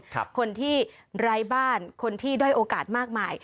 คนที่ไร้บ้านคนที่ด้อยโอกาสมากมาย